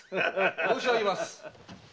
・申し上げます。